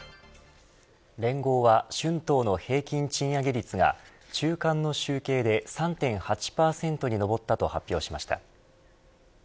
連合は、春闘の平均賃上げ率が週間の集計で３．８％に上ったと発表しました。